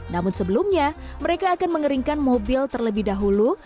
namun sebelumnya mereka akan mengeringkan mobil terlebih dahulu